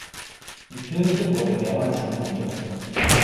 Die Kirche wurde mehrmals renoviert.